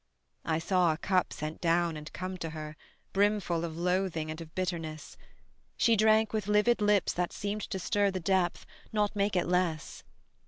I saw a cup sent down and come to her Brimful of loathing and of bitterness: She drank with livid lips that seemed to stir The depth, not make it less.